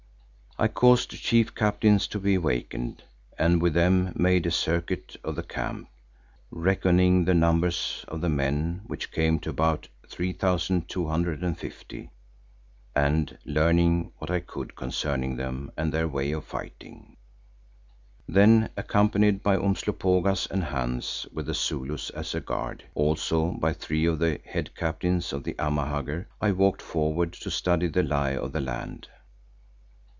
I caused the chief captains to be awakened and with them made a circuit of the camp, reckoning the numbers of the men which came to about 3,250 and learning what I could concerning them and their way of fighting. Then, accompanied by Umslopogaas and Hans with the Zulus as a guard, also by three of the head captains of the Amahagger, I walked forward to study the lie of the land.